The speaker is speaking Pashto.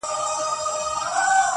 داسي زور نه وو چي نه یې وي منلي٫